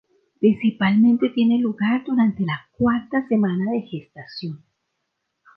Principalmente tiene lugar durante la cuarta semana de gestación.